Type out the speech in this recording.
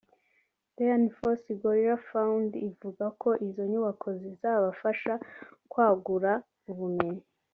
Dian Fossey Gorilla Fund ivuga ko izo nyubako zizabafasha kwagura ubumenyi